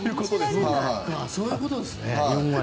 そういうことですよね。